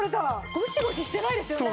ゴシゴシしてないですよね。